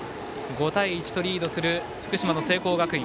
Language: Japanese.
５対１とリードする福島の聖光学院。